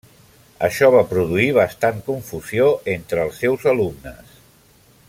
Això va produir bastant confusió entre els seus alumnes.